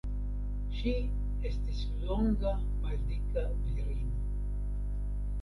Ŝi estis longa maldika virino.